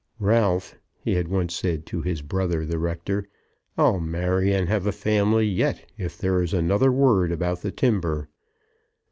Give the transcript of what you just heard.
"Ralph," he had once said to his brother the rector, "I'll marry and have a family yet if there is another word about the timber."